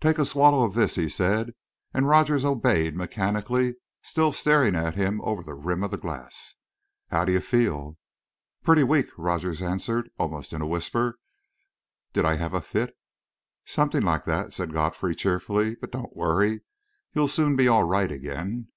"Take a swallow of this," he said, and Rogers obeyed mechanically, still staring at him over the rim of the glass, "How do you feel?" "Pretty weak," Rogers answered, almost in a whisper. "Did I have a fit?" "Something like that," said Godfrey, cheerfully; "but don't worry. You'll soon be all right again."